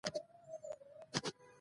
پرې يې ږدو چې نور خلک يې ويسي.